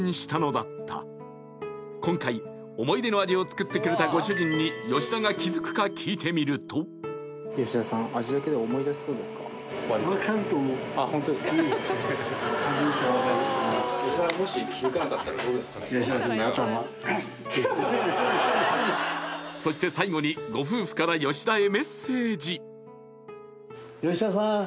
今回思い出の味を作ってくれたご主人に吉田が気づくか聞いてみるとそして最後にうん・へえ・